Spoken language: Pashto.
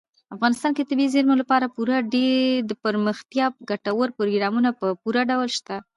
افغانستان کې د طبیعي زیرمې لپاره پوره دپرمختیا ګټور پروګرامونه په پوره ډول شته.